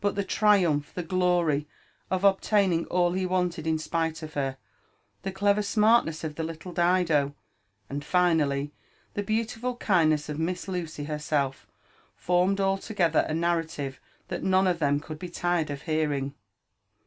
But the triumph, the glory of obtaining all he wanted in spite of her, the '* clever smartness" of the little Dido, and finally, the beautiful kindness of Miss Lucy herself, formed altogether a narrative that none of them could be tired of hearing.